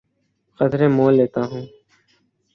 خطرے مول لیتا ہوں